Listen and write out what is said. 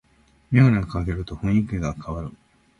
メガネかけると雰囲気かわる